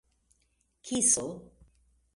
kiso